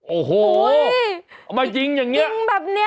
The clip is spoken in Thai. โอ้โหเอามาจริงแบบนี้